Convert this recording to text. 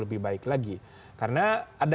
lebih baik lagi karena ada